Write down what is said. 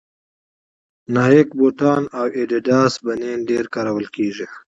نایک بوټان او اډیډاس بنېن ډېر کارول کېږي